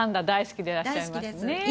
大好きです。